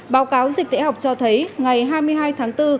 báo cáo dịch tễ học cho thấy ngày hai mươi hai tháng bốn